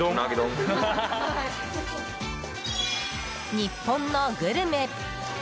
日本のグルメ！